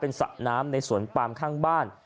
สระน้ำในสวนปามข้างบ้าน